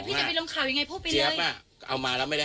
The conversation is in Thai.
พูดไปเลยพี่จะไปรังข่าวยังไงดี